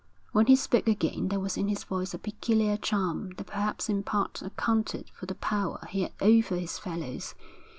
When he spoke again there was in his voice a peculiar charm that perhaps in part accounted for the power he had over his fellows.